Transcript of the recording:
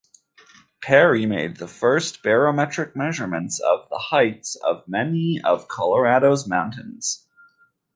Parry made the first barometric measurements of the heights of many of Colorado's mountains.